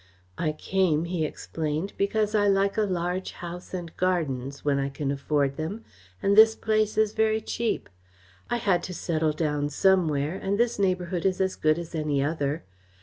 "I came," he explained, "because I like a large house and gardens, when I can afford them, and this place is very cheap. I had to settle down somewhere, and this neighbourhood is as good as any other.